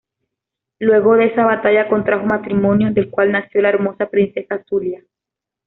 Luego de esa batalla contrajo matrimonio del cual nació la hermosa princesa Zulia.